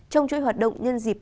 trong chuỗi hoạt động nhân dịp